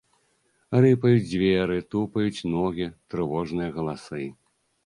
Рыпаюць дзверы, тупаюць ногі, трывожныя галасы.